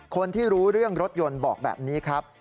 คนที่รู้เรื่องรถยนต์บอกแบบนี้ครับ